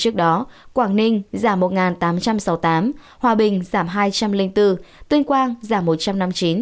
trước đó quảng ninh giảm một tám trăm sáu mươi tám hòa bình giảm hai trăm linh bốn tuyên quang giảm một trăm năm mươi chín